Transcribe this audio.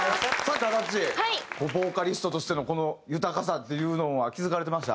こうボーカリストとしてのこの豊かさっていうのは気付かれてました？